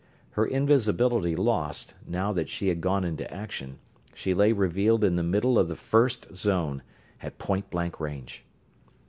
Her invisibility lost, now that she had gone into action, she lay revealed in the middle of the first zone at point blank range.